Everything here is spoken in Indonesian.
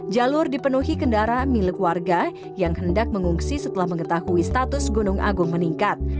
jalur dipenuhi kendaraan milik warga yang hendak mengungsi setelah mengetahui status gunung agung meningkat